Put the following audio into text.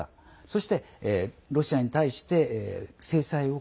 そして、ロシアに対して制裁を。